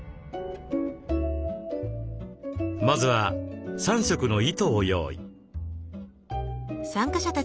まずは３色の糸を用意。